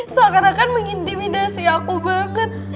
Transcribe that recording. seakan akan mengintimidasi aku banget